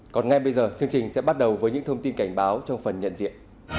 còn ngay bây giờ chương trình sẽ bắt đầu với những thông tin cảnh báo trong phần nhận diện